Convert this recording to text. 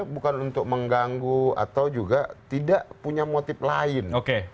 bukan untuk mengganggu atau juga tidak punya motif lain